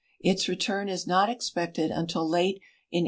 Its return is not expected until late in 1897.